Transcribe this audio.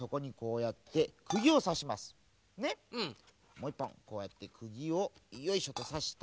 もう１ぽんこうやってくぎをよいしょっとさしたら。